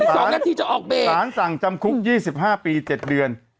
๒นาทีจะออกเบรกสารสั่งจำคุก๒๕ปี๗เดือน